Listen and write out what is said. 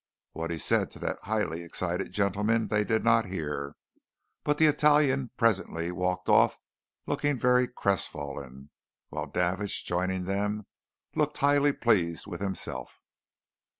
What he said to that highly excited gentleman they did not hear, but the Italian presently walked off looking very crestfallen, while Davidge, joining them, looked highly pleased with himself.